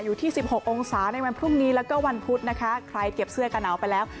อยู่ที่สิบหกองศาในวันพรุ่งนี้แล้วก็วันพุธนะคะใครเก็บเสื้อกระหนาวไปแล้ว